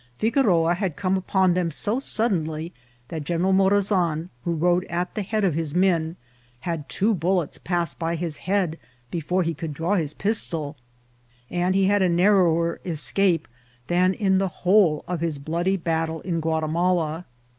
Figoroa had come upon them so suddenly, that General Morazan, who rode at the head of his men, had two bullets pass by his head before he could draw his pistol, and he had a narrower escape than in the whole1 of his bloody battle in Guatimala.